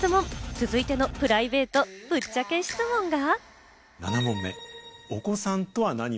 続いてのプライベートぶっちゃけ質問が。